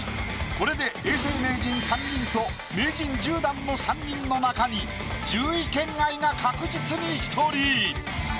これで永世名人３人と名人１０段の３人の中に１０位圏外が確実に１人。